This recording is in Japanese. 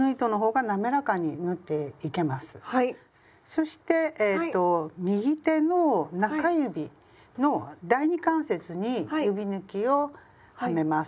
そしてえっと右手の中指の第二関節に指ぬきをはめます。